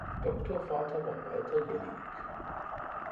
Doktorvater war Walter Jellinek.